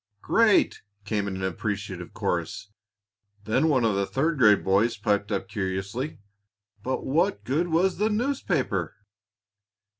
"Great!" came in an appreciative chorus. Then one of the third grade boys piped up curiously. "But what good was the newspaper?"